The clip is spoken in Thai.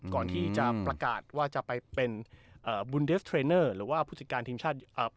ก่อนที่จะประกาศว่าจะไปเป็นอ่าหรือว่าภูติการทีมชาติอ่า